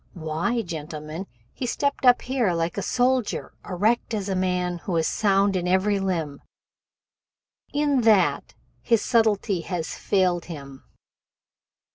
Why, gentlemen, he stepped up here like a soldier erect as a man who is sound in every limb. In that his subtlety has failed him.